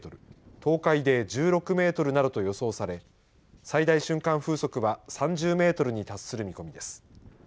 東海で１６メートルなどと予想され最大瞬間風速は３０メートルに達する見込みです。